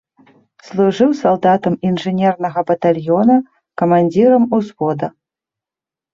Служыў салдатам інжынернага батальёна, камандзірам узвода.